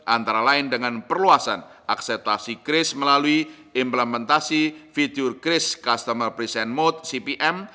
antara lain dengan perluasan akseptasi kris melalui implementasi fitur kris customer present mode cpm